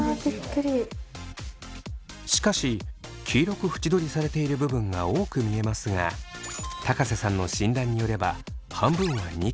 しかし黄色く縁取りされている部分が多く見えますが瀬さんの診断によれば半分はニキビだそう。